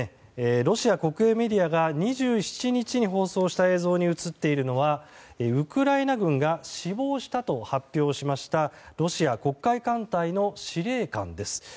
ロシア国営メディアが２７日に放送した映像に映っているのはウクライナ軍が死亡したと発表しましたロシア黒海艦隊の司令官です。